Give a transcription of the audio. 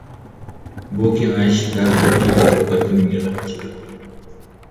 بۇ كېڭەش ھەر تۆت يىلدا بىر قېتىم يىغىن ئېچىلىدۇ.